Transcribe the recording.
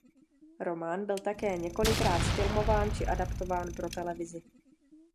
Román byl také několikrát zfilmován či adaptován pro televizi.